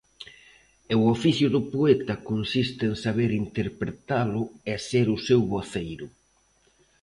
E o oficio do poeta consiste en saber interpretalo e ser o seu voceiro.